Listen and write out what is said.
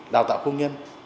đào tạo công nhân